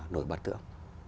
nổi bật được